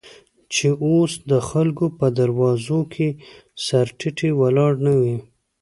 چې اوس دخلکو په دروازو، کې سر تيټى ولاړ نه وې.